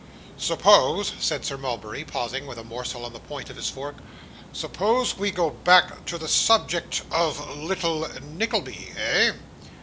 'Suppose,' said Sir Mulberry, pausing with a morsel on the point of his fork, 'suppose we go back to the subject of little Nickleby, eh?